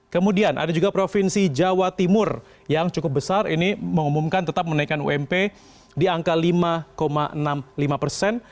kemudian ada juga provinsi jawa timur yang cukup besar ini mengumumkan tetap menaikkan ump di angka lima enam puluh lima persen